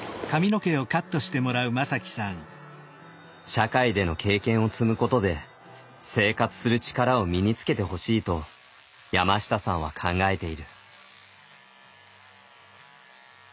社会での経験を積むことで生活する力を身につけてほしいと山下さんは考えている。